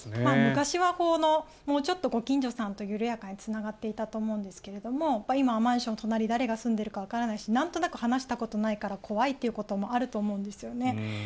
昔はもうちょっとご近所さんと緩やかにつながっていたと思うんですが今はマンション隣に誰が住んでいるかわからないしなんとなく話したことないから怖いということもありますよね。